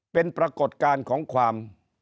เป็นปรากฏการณ์ของความ